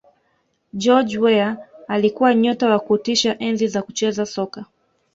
george Weah alikuwa nyota wa kutisha enzi za kucheza soka